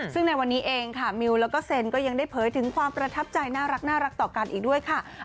ซึ่งในวันนี้เองค่ะมิวแล้วก็เซนก็ยังได้เผยถึงความประทับใจน่ารักต่อกันอีกด้วยค่ะ